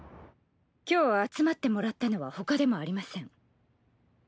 今日集まってもらったのはほかでもありません。